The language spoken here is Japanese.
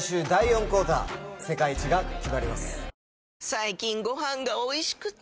最近ご飯がおいしくて！